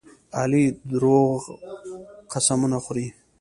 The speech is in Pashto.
علي دروغ قسمونه خوري.